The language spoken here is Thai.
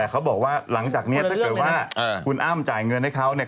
เขาบอกว่าหลังจากนี้ถ้าเกิดว่าคุณอ้ำจ่ายเงินให้เขาเนี่ย